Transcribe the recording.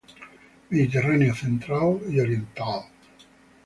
Mediterráneo central y oriental.